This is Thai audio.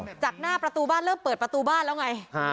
จากหน้าประตูบ้านเริ่มเปิดประตูบ้านแล้วไง